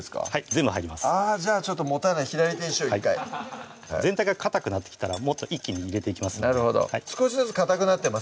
全部入りますあじゃあちょっともたない左手にしよう１回全体がかたくなってきたらもっと一気に入れていきますのでなるほど少しずつかたくなってますね